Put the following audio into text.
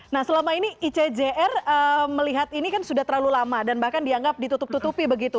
nah selama ini icjr melihat ini kan sudah terlalu lama dan bahkan dianggap ditutup tutupi begitu